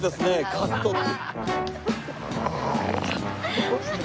カットって。